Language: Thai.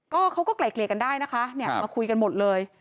ก็เขาก็ไกลเกลี่ยกันได้นะคะเนี่ยมาคุยกันหมดเลย